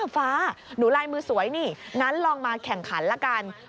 ฟ้าหนูลายมือสวยนี่งั้นลองมาแข่งขันละกัน